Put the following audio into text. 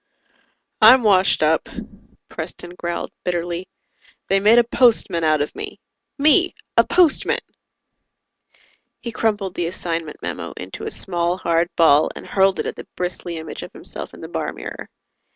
_ "I'm washed up," Preston growled bitterly. "They made a postman out of me. Me a postman!" He crumpled the assignment memo into a small, hard ball and hurled it at the bristly image of himself in the bar mirror.